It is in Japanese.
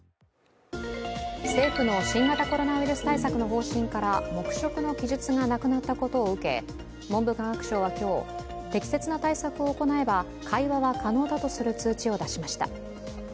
政府の新型コロナウイルス対策の方針から黙食の記述がなくなったことを受け、文部科学省は今日、適切な対策を行えば会話は可能だとする通知を出しました。